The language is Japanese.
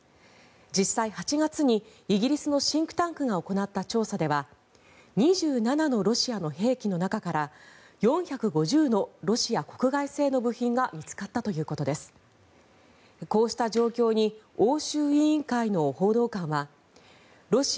実際、８月にイギリスのシンクタンクが行った調査では２７のロシアの兵器の中から４５０のロシア国外製の部品が見つかったということです。